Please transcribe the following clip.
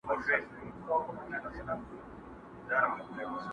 انسانيت بايد وساتل سي تل،